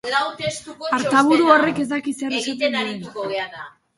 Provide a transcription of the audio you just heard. Artaburu horrek ez daki zer esaten duen.